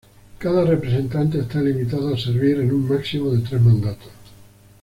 Cada Representante está limitado a servir en un máximo de tres mandatos.